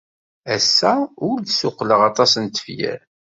Ass-a ur d-ssuqqleɣ aṭas n tefyar.